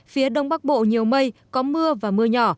phía đông bắc bộ nhiều mây có mưa và mưa nhỏ